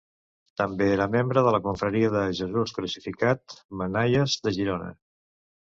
També era membre de la Confraria de Jesús Crucificat Manaies de Girona.